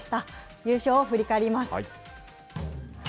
優勝を振り返ります。